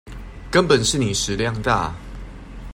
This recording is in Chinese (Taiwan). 根本是你食量大